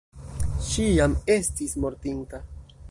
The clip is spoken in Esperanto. Ŝi jam estis mortinta.